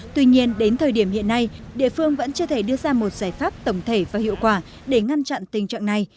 tuy nhiên đến thời điểm hiện nay địa phương vẫn chưa thể đưa ra một giải pháp tổng thể và hiệu quả để ngăn chặn tình trạng này